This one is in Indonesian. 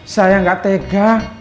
saya gak tega